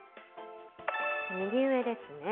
右上ですね。